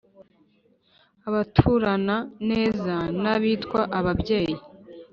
Agaturana nezaN’abitwa ababyeyi